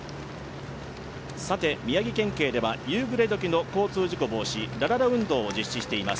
宮城県警では夕暮れ時交通事故防止ラ・ラ・ラ運動を実施しています。